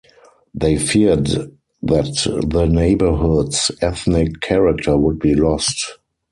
They feared that the neighborhood's ethnic character would be lost.